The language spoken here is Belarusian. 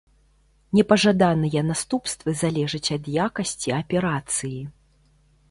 Непажаданыя наступствы залежаць ад якасці аперацыі.